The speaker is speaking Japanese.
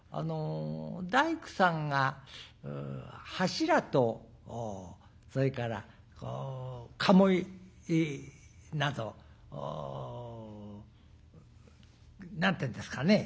大工さんが柱とそれから鴨居なぞ何て言うんですかね